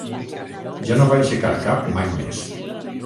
Ja no va aixecar cap mai més.